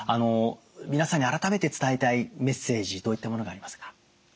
皆さんに改めて伝えたいメッセージどういったものがありますか？